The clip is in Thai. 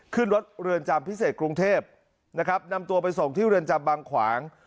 ขึ้นรถเรือนจำพิเศษกรุงเทพนะครับนำตัวไปส่งที่เรือนจำบางขวาง